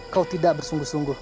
kau tidak bersungguh sungguh